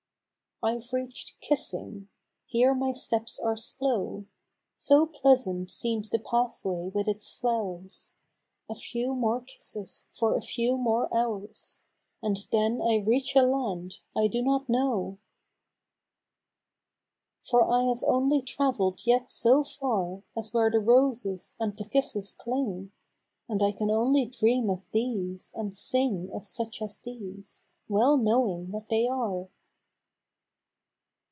L 138 Now. 3. I have reach'd kissing — ^here my steps are slow, So pleasant seems the pathway with its flow'rs, — A few more kisses for a few more hours, And then I reach a land I do not know ! 4 For I have only travelled yet so far As where the roses and the kisses cling, And I xan only dream of these, and sing Of such as these, well knowing what they are